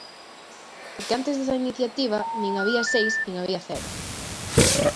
Porque antes desta iniciativa nin había seis nin había cero.